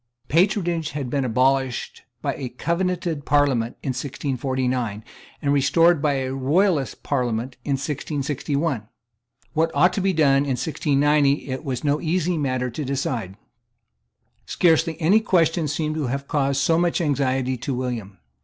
Patronage had been abolished by a Covenanted Parliament in 1649, and restored by a Royalist Parliament in 1661. What ought to be done in 1690 it was no easy matter to decide. Scarcely any question seems to have caused so much anxiety to William.